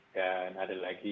dan ada lagi